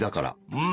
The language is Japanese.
うん。